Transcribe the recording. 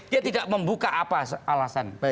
dia tidak membuka apa alasan